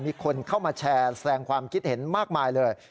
มีคนเข้ามาแชร์แสดงความคิดเห็นมากมายเลย